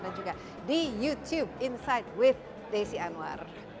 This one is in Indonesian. dan juga di youtube insight with desy anwar